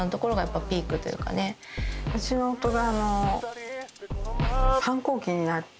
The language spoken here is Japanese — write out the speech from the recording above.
うちの夫が。